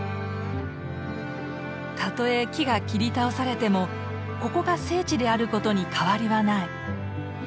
たとえ木が切り倒されてもここが聖地であることに変わりはない。